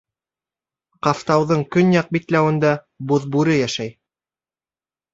Ҡафтауҙың көньяҡ битләүендә Буҙ бүре йәшәй.